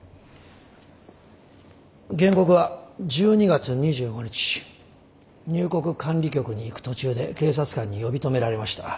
原告は１２月２５日入国管理局に行く途中で警察官に呼び止められました。